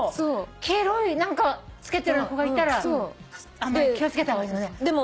黄色い何かつけてる子がいたら気を付けた方がいいのね。